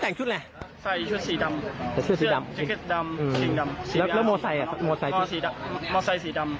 แล้วโมไซด์สีดำ